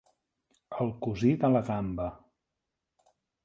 El cosí de la gamba.